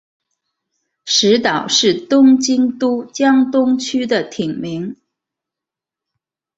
石岛是东京都江东区的町名。